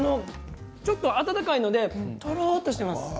温かいのでとろっとしています。